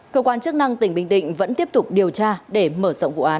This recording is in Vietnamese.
cơ quan chức năng tỉnh bình định vẫn tiếp tục điều tra để mở rộng vụ án